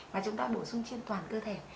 mà chúng ta bổ sung trên toàn cơ thể